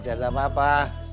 gak ada apa apa